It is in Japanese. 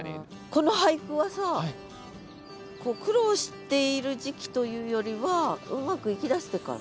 この俳句はさ苦労している時期というよりはうまくいきだしてから？